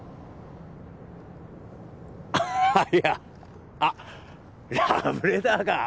ああいやあっラブレターか